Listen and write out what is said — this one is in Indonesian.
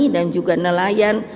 dan juga nelayan